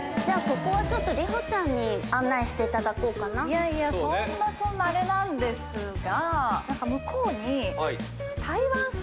いやいやそんなそんなあれなんですが。